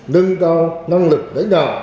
nâng cao năng lực đánh đạo